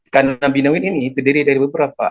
kanabinoid ini terdiri dari beberapa